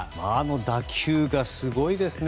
打球がすごいですね。